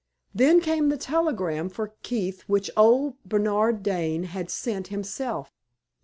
Then came the telegram for Keith which old Bernard Dane had sent himself.